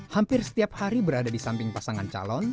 hampir setiap hari berada di samping pasangan calon